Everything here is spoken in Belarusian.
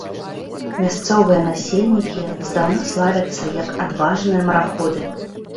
Мясцовыя насельнікі здаўна славяцца як адважныя мараходы.